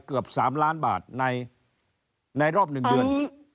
เกือบ๓ล้านบาทในรอบ๑เดือน